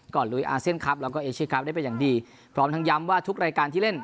ลุยอาเซียนคลับแล้วก็เอเชียครับได้เป็นอย่างดีพร้อมทั้งย้ำว่าทุกรายการที่เล่น